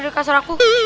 di kasur aku